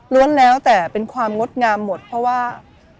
แล้วแต่เป็นความงดงามหมดเพราะว่า